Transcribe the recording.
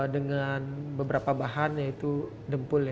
dengan beberapa bahan yaitu dempul ya